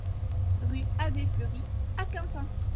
Rue Abbé Fleury à Quintin